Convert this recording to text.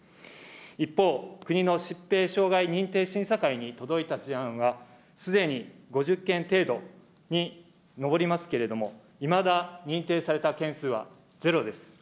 一方、国の疾病障害認定審査会に届いた事案は、すでに５０件程度に上りますけれども、いまだ認定された件数はゼロです。